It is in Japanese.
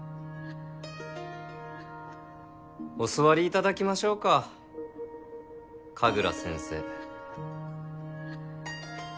お座りいただきましょうか神楽先生。